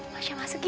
masya masuk gi